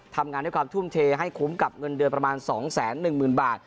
ทำงานด้วยความทุ่มเทให้คุ้มกับเงินเดือนประมาณ๒๑๐๐๐บาท